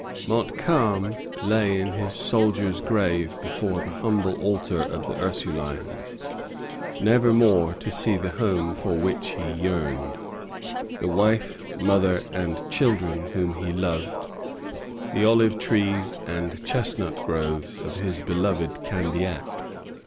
Montcalm lay in his soldier's grave before the humble altar of the Ursulines, never more to see the home for which he yearned, the wife, mother, and children whom he loved, the olive trees and chestnut groves of his beloved Candiac.